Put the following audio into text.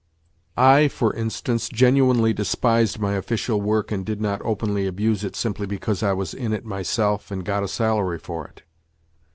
I, for instance, genuinely despised my official work and did not openly abuse it simply because I was in it myself and got a salary for it.